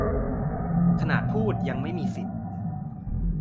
ขนาดพูดยังไม่มีสิทธิ